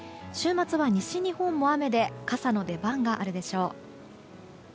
週末は西日本も雨で傘の出番があるでしょう。